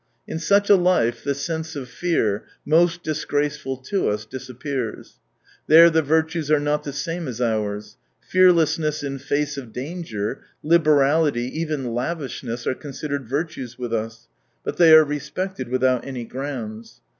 In such a life the sense of fear — most disgraceful to us — disappears. There the virtues are not the same as ours. Fearlessness in face of danger, liberality, even lavishness are considered virtues with us, but they are respected without any grounds.